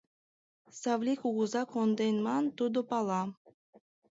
— Савлий кугыза конден ман, тудо пала.